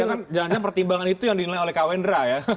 jangan jangan pertimbangan itu yang dinilai oleh kak wendra ya